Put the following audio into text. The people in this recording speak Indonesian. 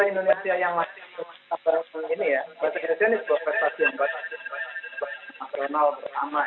bahasa indonesia ini sebuah prestasi yang berasal dari masyarakat terkenal pertama ya